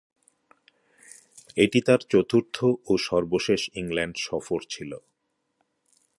এটি তার চতুর্থ ও সর্বশেষ ইংল্যান্ড সফর ছিল।